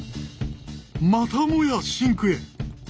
またもやシンクへ。